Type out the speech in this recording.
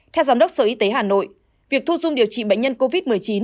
theo giám đốc sở y tế hà nội việc thu dung điều trị bệnh nhân covid một mươi chín